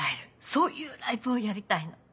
そういうライブをやりたいの。